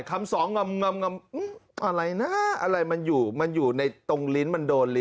คำสองงำอะไรนะอะไรมันอยู่มันอยู่ในตรงลิ้นมันโดนลิ้น